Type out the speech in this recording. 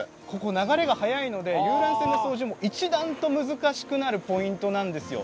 流れが速いので遊覧船の操縦も一段と難しくなるポイントなんですよ。